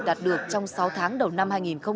đạt được trong sáu tháng đầu năm hai nghìn một mươi sáu